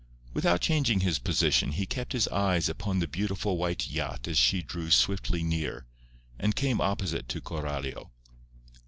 Without changing his position he kept his eyes upon the beautiful white yacht as she drew swiftly near, and came opposite to Coralio.